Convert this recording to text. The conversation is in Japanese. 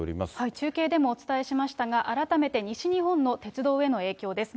中継でもお伝えしましたが、改めて西日本も鉄道への影響です。